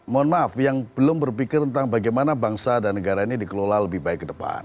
mohon maaf yang belum berpikir tentang bagaimana bangsa dan negara ini dikelola lebih baik ke depan